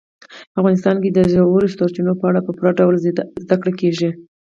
په افغانستان کې د ژورو سرچینو په اړه په پوره ډول زده کړه کېږي.